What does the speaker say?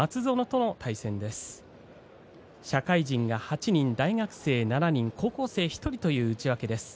社会人が８人、大学生７人高校生１人という内訳です。